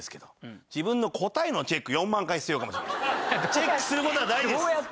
チェックする事は大事です。